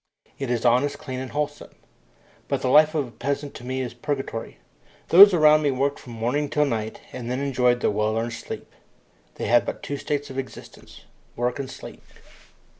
It is honest, clean, and wholesome. But the life of a peasant to me is purgatory. Those around me worked from morning till night and then enjoyed their well earned sleep. They had but two states of existence work and sleep.